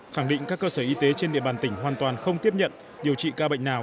khẳng định các cơ sở y tế trên địa bàn tỉnh hoàn toàn không tiếp nhận điều trị ca bệnh nào